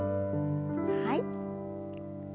はい。